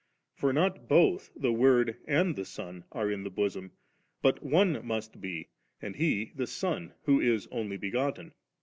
For not both the Word and the Son are in the bosom, but one must be, and He the Son, who is Only begotten.